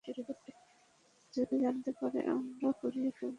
যদি জানতে পারে আমরা পুড়িয়ে ফেলছি।